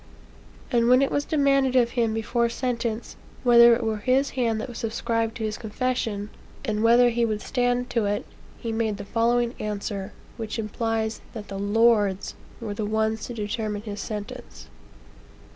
And when it was demanded of him, before sentence, whether it were his hand that was subscribed to his confession, and whether he would stand to it; he made the following answer, which implies that the lords were the ones to determine his sentence.